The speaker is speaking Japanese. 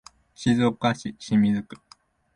静岡市清水区